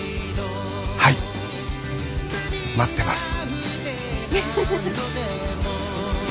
はい待ってます。